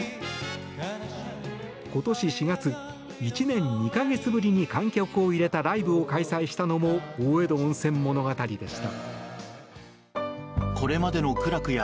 今年４月、１年２か月ぶりに観客を入れたライブを開催したのも大江戸温泉物語でした。